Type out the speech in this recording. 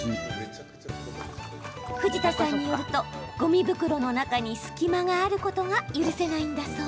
藤田さんよるとごみ袋の中に隙間があることが許せないんだそう。